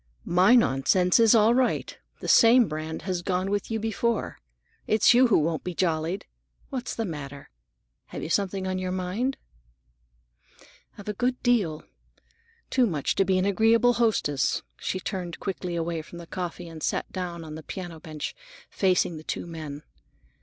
"My nonsense is all right. The same brand has gone with you before. It's you who won't be jollied. What's the matter? You have something on your mind." "I've a good deal. Too much to be an agreeable hostess." She turned quickly away from the coffee and sat down on the piano bench, facing the two men.